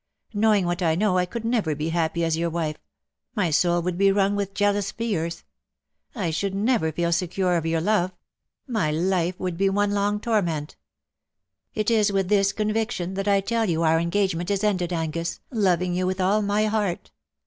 Knowing what I know I could never be happy as your wife : my soul would be wrung with jealous fears ; I should never feel secure of your love ; my life would be one long self torment. It is with this conviction that I tell you our engagement is ended, Angus,, loving you with all my heart.